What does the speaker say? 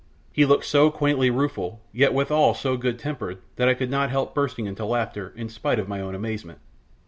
He looked so quaintly rueful yet withal so good tempered that I could not help bursting into laughter in spite of my own amazement.